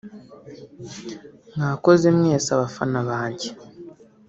“Mwakoze mwese abafana banjye